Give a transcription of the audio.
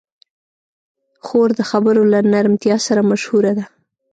خور د خبرو له نرمتیا سره مشهوره ده.